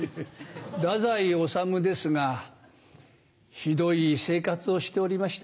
太宰治ですがひどい生活をしておりました。